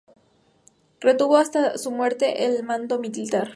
Retuvo hasta su muerte el mando militar.